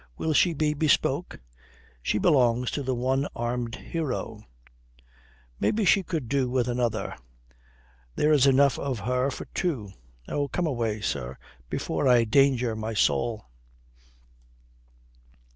Will she be bespoke?" "She belongs to the one armed hero." "Maybe she could do with another. There's enough of her for two. Oh, come away, sir, before I danger my soul."